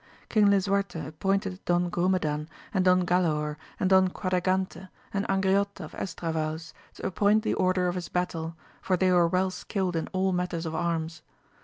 King Lisuarte ap pointed Don Grumedan, and Don Galaor, and Don Quadragante, and Angriote of Estravaus, to appoint the order of his battle, for they were well skilled in all matters of arms.